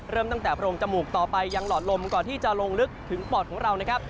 เริ่มตั้งแต่โรงจมูกต่อไปยังหลอดลมก่อนที่จะลงลึกถึงปอดของเรานะครับ